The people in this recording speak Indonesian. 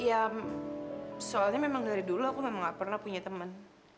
ya soalnya memang dari dulu aku memang gak pernah punya teman